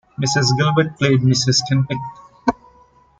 Mrs. Gilbert played Mrs. Kinpeck.